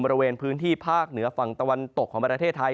บริเวณพื้นที่ภาคเหนือฝั่งตะวันตกของประเทศไทย